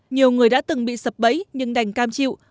nhiều người đã từng bị sập bẫy nhưng đành cam chịu